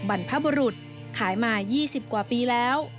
บรรพบุรุษขายมา๒๐กว่าปีแล้ว